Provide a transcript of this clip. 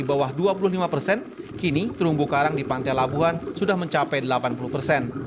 di bawah dua puluh lima persen kini terumbu karang di pantai labuhan sudah mencapai delapan puluh persen